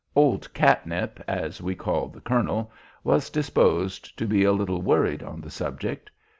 Old Catnip, as we called the colonel, was disposed to be a little worried on the subject.